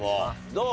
どう？